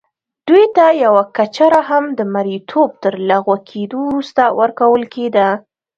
دوی ته یوه کچره هم د مریتوب تر لغوه کېدو وروسته ورکول کېده.